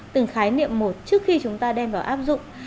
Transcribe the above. từng khái niệm một trước khi chúng ta đem vào áp dụng